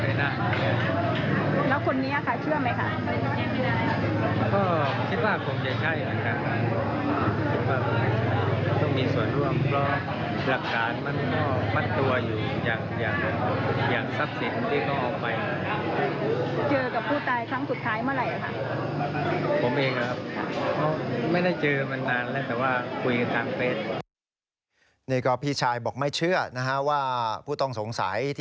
และที่มายน้อยก็ไม่จะเจอมานานแล้วแต่ว่าคุยกับชายก็เป็นต่างต่าง